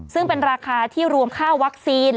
ซึ่งเป็นราคาที่รวมค่าวัคซีน